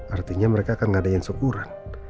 artinya mereka akan ngadain syukuran